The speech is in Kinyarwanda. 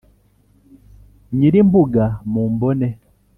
nyiri imbuga mu mbone